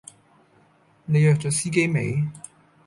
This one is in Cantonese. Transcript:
你約左司機未？